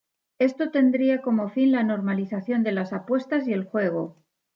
Esto tendría como fin la normalización de las apuestas y el juego.